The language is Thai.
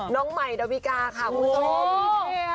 น้องใหม่ดาวิกาค่ะคุณผู้ชม